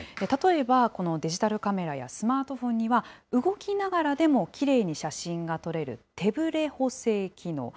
例えば、このデジタルカメラやスマートフォンには、動きながらでもきれいに写真が撮れる手ぶれ補正機能。